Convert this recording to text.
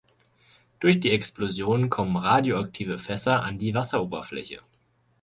Durch die Explosion kommen radioaktive Fässer an die Wasseroberfläche.